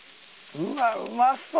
うわうまそ。